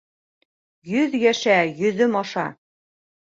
Йөҙ йәшә, йөҙөм аша!